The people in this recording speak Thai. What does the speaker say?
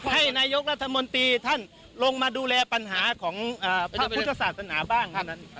ให้นายกรัฐมนตรีท่านลงมาดูแลปัญหาของภาพพุทธศาสตร์ศาสตร์หน้าบ้าง